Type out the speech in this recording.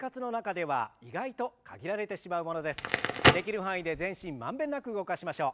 できる範囲で全身満遍なく動かしましょう。